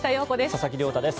佐々木亮太です。